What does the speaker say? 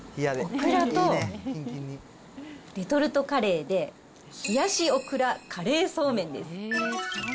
おくらとレトルトカレーで、冷やしおくらカレーそうめんです。